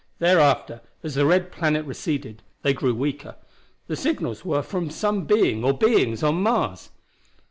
Thereafter, as the red planet receded, they grew weaker. The signals were from some being or beings on Mars!